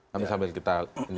nanti sambil kita